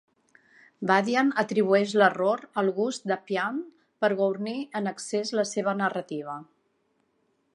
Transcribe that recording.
Badian atribueix l'error al gust d'Appian per guarnir en excés la seva narrativa.